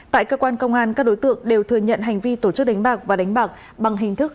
tại cơ quan công an các đối tượng đều thừa nhận hành vi tổ chức đánh bạc và đánh bạc bằng hình thức